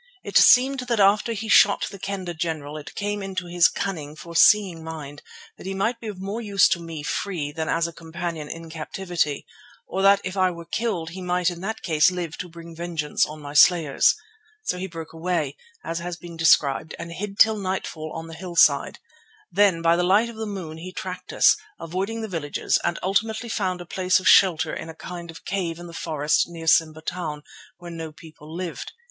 It seemed that after he had shot the Kendah general it came into his cunning, foreseeing mind that he might be of more use to me free than as a companion in captivity, or that if I were killed he might in that case live to bring vengeance on my slayers. So he broke away, as has been described, and hid till nightfall on the hill side. Then by the light of the moon he tracked us, avoiding the villages, and ultimately found a place of shelter in a kind of cave in the forest near to Simba Town, where no people lived.